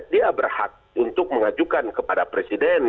dia berhak untuk mengajukan kepada presiden